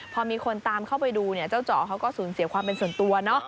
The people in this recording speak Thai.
พอมีคนตามเข้าไปดูเนี่ยเจ้าเจาะเขาก็สูญเสียความเป็นส่วนตัวเนาะ